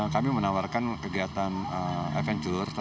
kami menawarkan kegiatan adventure